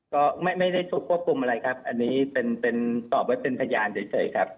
ก็ไม่ได้ถูกควบคุมอะไรครับอันนี้เป็นตอบไว้เป็นพยานเฉยครับ